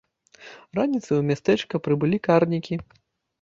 Раніцай у мястэчка прыбылі карнікі.